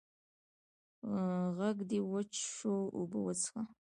ږغ دي وچ سو، اوبه وڅيښه!